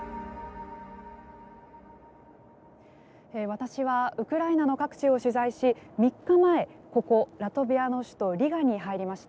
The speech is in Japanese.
私はウクライナの各地を取材し３日前、ここ、ラトビアの首都リガに入りました。